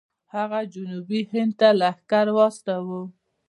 هغه جنوبي هند ته لښکر واستوه.